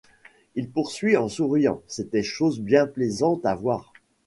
Il poursuivit en souriant: — C’était chose bien plaisante à voir.